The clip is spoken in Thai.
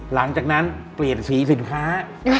หลังจากนั้นเปลี่ยนสีสินค้า